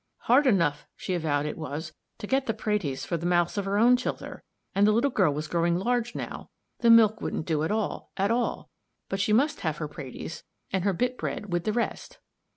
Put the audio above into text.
"Hard enough," she avowed it was, "to get the praties for the mouths of her own chilther; and the little girl was growing large now. The milk wouldn't do at all, at all, but she must have her praties and her bit bread wid the rest."